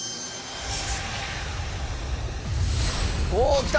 お来た！